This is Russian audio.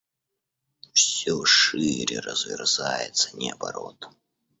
Все шире разверзается неба рот.